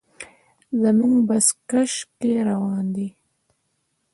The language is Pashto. زموږ بس په کش کې روان دی.